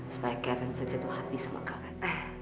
supaya kevin bisa jatuh hati sama karet